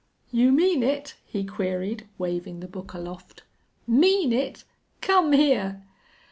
"You mean it?" he queried, waving the book aloft. "Mean it? Come here!"